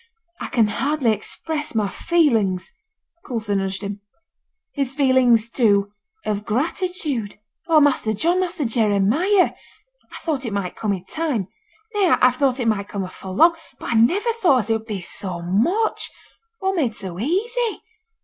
'I can hardly express my feelings' (Coulson nudged him) 'his feelings, too of gratitude. Oh, Master John! Master Jeremiah, I thought it might come i' time; nay, I've thought it might come afore long; but I niver thought as it would be so much, or made so easy.